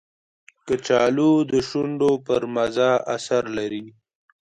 کچالو د شونډو پر مزه اثر لري